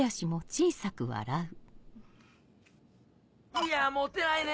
いやモテないね